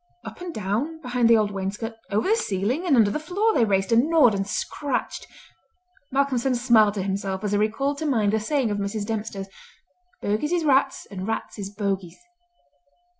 Up and down behind the old wainscot, over the ceiling and under the floor they raced, and gnawed, and scratched! Malcolmson smiled to himself as he recalled to mind the saying of Mrs. Dempster, "Bogies is rats, and rats is bogies!"